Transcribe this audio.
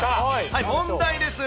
問題です。